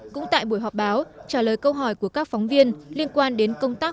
cũng tại buổi họp báo trả lời câu hỏi của các phóng viên liên quan đến công tác